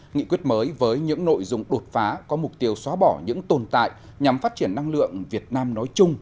nghị quyết mới với những nội dung đột phá có mục tiêu xóa bỏ những tồn tại nhằm phát triển năng lượng việt nam nói chung